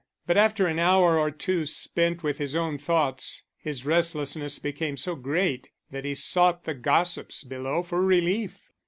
But, after an hour or two spent with his own thoughts, his restlessness became so great that he sought the gossips below for relief.